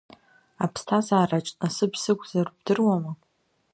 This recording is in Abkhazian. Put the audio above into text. Аԥсҭазаараҿ насыԥ сықәзар, бдыруама?